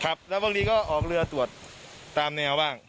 ครับแล้วบางทีก็ออกเรือตรวจตามแนวบ้าง